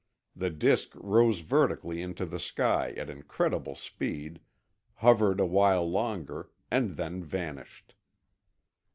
The disk rose vertically into the sky at incredible speed, hovered a while longer, and then vanished.